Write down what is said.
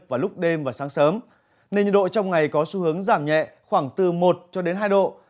và lúc đêm và sáng sớm nên nhiệt độ trong ngày có xu hướng giảm nhẹ khoảng từ một hai độ